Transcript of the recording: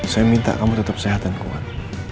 saya minta kamu tetep sehat dan kuat